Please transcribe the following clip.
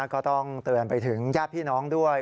ก็ต้องเตือนไปถึงญาติพี่น้องด้วย